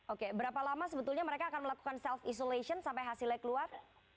oke berapa lama sebetulnya mereka akan melakukan self isolation sampai hasilnya keluar